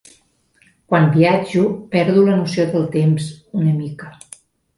Quan viatjo perdo la noció del temps, una mica.